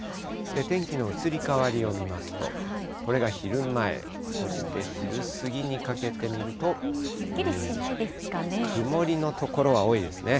天気の移り変わりを見ますと、これが昼前、そして昼過ぎにかけてすっきりしないですかね。